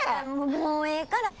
もうええから。